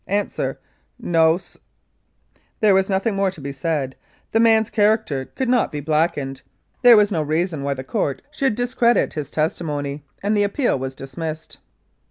Answer: "No, SV There was nothing more to be said; the man's character could not be blackened. There was no reason 284 Humours and Uncertainties of the Law why the Court should discredit his testimony, and the appeal was dismissed.